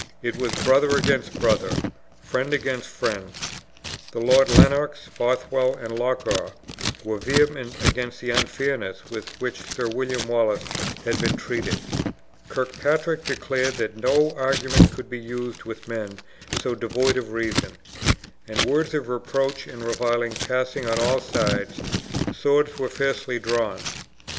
It was brother against brother, friend against friend. The Lords Lennox, Bothwell, and Loch awe, were vehement against the unfairness with which Sir William Wallace bad been treated; Kirkpatrick declared that no arguments could be used with men so devoid of reason, and words of reproach and reviling passing on all sides, swords were fiercely drawn.